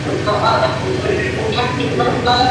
ایا ملي بڼوال وچه الوچه صادروي؟